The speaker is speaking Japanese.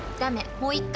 もう一回。